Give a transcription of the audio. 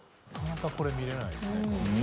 なかなかこれ見れないですね。